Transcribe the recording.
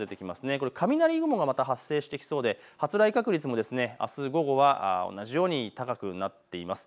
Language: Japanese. これは雷雲がまた発生してきそうで発雷確率もあす午後は同じように高くなっています。